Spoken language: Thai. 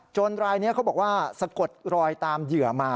รายนี้เขาบอกว่าสะกดรอยตามเหยื่อมา